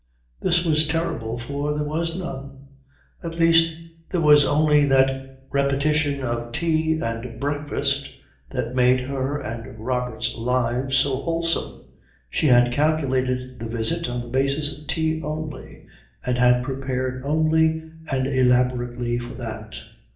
This was terrible, for there was none. At least, there was only that repetition of tea and breakfast that made her and Robert's lives so wholesome. She had calculated the visit on the basis of tea only, and had prepared only and elaborately for that.